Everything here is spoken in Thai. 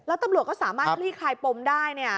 แล้วตำรวจก็สามารถคลี่คลายปมได้เนี่ย